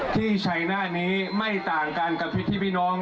ที่ชัยหน้านี้ไม่ต่างกันกับพี่น้อง